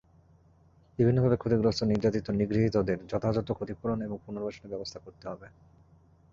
বিভিন্নভাবে ক্ষতিগ্রস্ত, নির্যাতিত, নিগৃহীতদের যথাযথ ক্ষতিপূরণ এবং পুনর্বাসনের ব্যবস্থা করতে হবে।